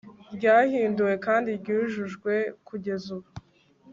ryahinduwe kandi ryujujwe kugeza ubu